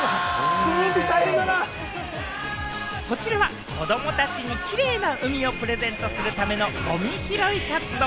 こちらは子供たちにキレイな海をプレゼントするためのゴミ拾い活動。